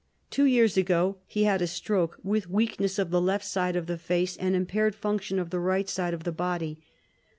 Two years ago he had a stroke, with weakness of the left side of the face, and impaired function of the right side of the body.